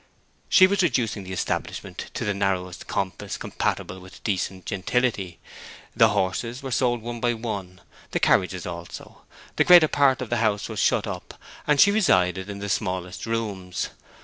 She was reducing the establishment to the narrowest compass compatible with decent gentility. The horses were sold one by one; the carriages also; the greater part of the house was shut up, and she resided in the smallest rooms.